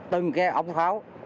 từng cái ống pháo